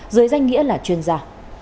dưới danh nghĩa là chuyên gia